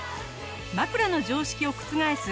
枕の常識を覆す